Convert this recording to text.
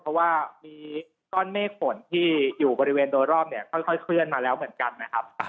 เพราะว่ามีก้อนเมฆฝนที่อยู่บริเวณโดยรอบเนี่ยค่อยเคลื่อนมาแล้วเหมือนกันนะครับ